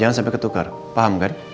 jangan sampai ketukar paham kan